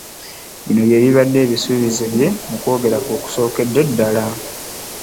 Bino by'ebibadde ebisuubizo bye mu kwogera kwe okusookedde ddala